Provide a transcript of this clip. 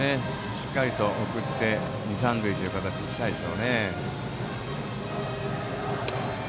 しっかりと送って二、三塁という形にしたいです。